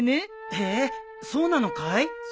へえそうなのかい？